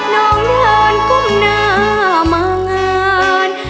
น้องเดินก้มหน้ามางาน